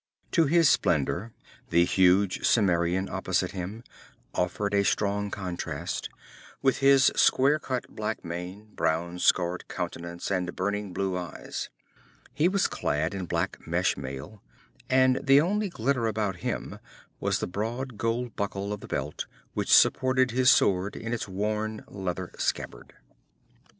To his splendor the huge Cimmerian opposite him offered a strong contrast, with his square cut black mane, brown scarred countenance and burning blue eyes. He was clad in black mesh mail, and the only glitter about him was the broad gold buckle of the belt which supported his sword in its worn leather scabbard.